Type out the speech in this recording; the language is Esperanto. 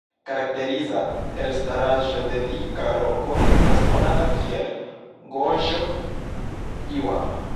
Karakteriza elstaraĵo de dika roko estas konata kiel "Goĵo-iŭa"